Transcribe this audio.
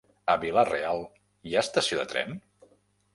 A Vila-real hi ha estació de tren?